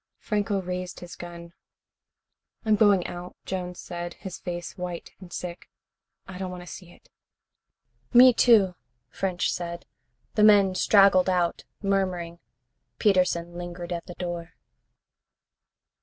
Franco raised his gun. "I'm going out," Jones said, his face white and sick. "I don't want to see it." "Me, too," French said. The men straggled out, murmuring. Peterson lingered at the door.